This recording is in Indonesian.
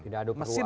tidak ada peruahan